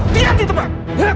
lihat itu pak